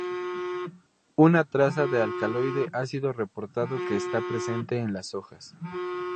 Una traza de alcaloide ha sido reportado que está presente en las hojas.